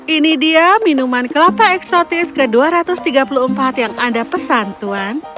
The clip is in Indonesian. ini dia minuman kelapa eksotis ke dua ratus tiga puluh empat yang anda pesan tuhan